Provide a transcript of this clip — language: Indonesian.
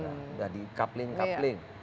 udah di kapling kapling